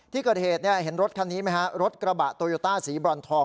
ที่เกิดเหตุเห็นรถคันนี้ไหมฮะรถกระบะโตโยต้าสีบรอนทอง